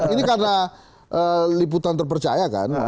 ini karena liputan terpercaya kan